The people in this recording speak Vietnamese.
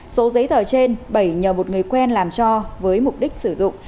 số giấy tờ trên bảy nhờ một người quen làm cho với mục đích sử dụng